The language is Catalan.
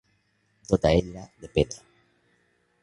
Tota ella de pedra.